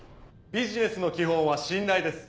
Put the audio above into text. ビジネスの基本は信頼です。